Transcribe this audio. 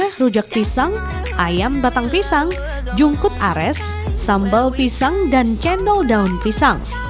ada rujak pisang ayam batang pisang jungkut ares sambal pisang dan cendol daun pisang